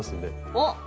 おっ。